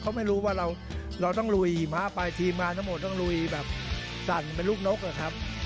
เขาไม่รู้ว่าเราต้องลุยหิมะไปทีมมาทั้งหมดต้องลุยแบบสั่นเป็นลูกนกอะครับ